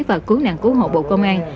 và cứu nạn cứu hộ bộ công an